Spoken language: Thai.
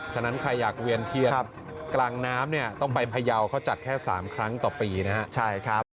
ฉะนั้นใครอยากเวียนเทียนกลางน้ำเนี่ยต้องไปพยาวเขาจัดแค่๓ครั้งต่อปีนะครับ